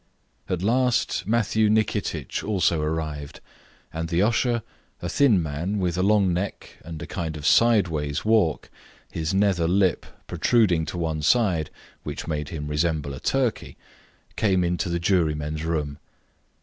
At last Matthew Nikitich also arrived, and the usher, a thin man, with a long neck and a kind of sideways walk, his nether lip protruding to one side, which made him resemble a turkey, came into the jurymen's room.